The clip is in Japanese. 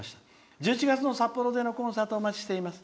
１１月の札幌でのコンサート楽しみにしております。